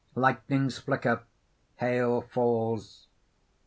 Lightnings flicker. Hail falls.